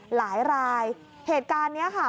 หลายรายเหตุการณ์นี้ค่ะ